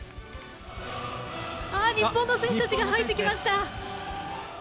日本の選手たちが入ってきました。